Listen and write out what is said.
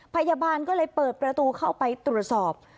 พยาบาลก็เลยเปิดประตูเข้าไปตรวจสอบ